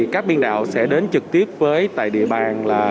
các biên đạo sẽ đến trực tiếp với tài địa bàn